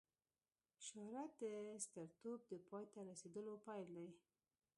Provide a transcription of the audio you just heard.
شهرت د سترتوب د پای ته رسېدلو پیل دی.